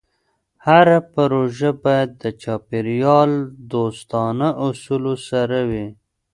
هره پروژه باید د چاپېریال دوستانه اصولو سره وي.